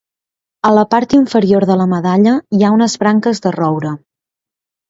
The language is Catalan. A la part inferior de la medalla hi ha unes branques de roure.